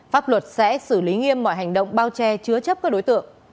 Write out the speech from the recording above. pháp luật sẽ xử lý nghiêm mọi hành động bao che chứa chấp các đối tượng